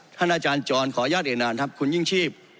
อาจารย์จรขออนุญาตเอนานครับคุณยิ่งชีพ